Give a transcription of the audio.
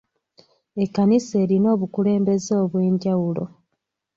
Ekkanisa erina obukulembeze obw'enjawulo.